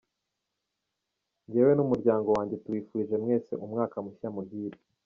Jyewe n’umuryango wanjye, tubifurije mwese Umwaka Mushya Muhire.